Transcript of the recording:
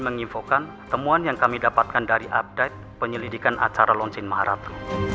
menginfokan temuan yang kami dapatkan dari update penyelidikan acara launching maharap